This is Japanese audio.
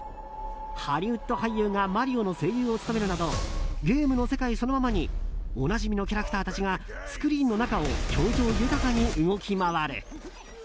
ハリウッド俳優がマリオの声優を務めるなどゲームの世界そのままにおなじみのキャラクターたちがスクリーンの中を表情豊かに動き回る。